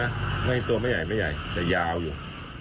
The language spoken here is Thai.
ไม่ให้ตัวไม่ใหญ่แต่ยาวอยู่